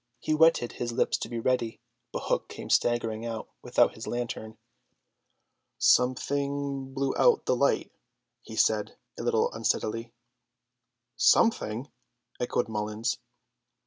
He wetted his lips to be ready, but Hook came staggering out, without his lantern. "Something blew out the light," he said a little unsteadily. "Something!" echoed Mullins.